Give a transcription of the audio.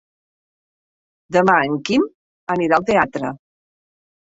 Demà en Quim anirà al teatre.